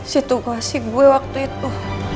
situ gue si gue waktu itu